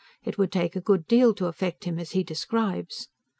It would take a good deal to affect him as he describes.